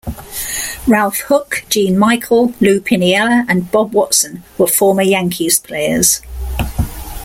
Ralph Houk, Gene Michael, Lou Piniella, and Bob Watson were former Yankees players.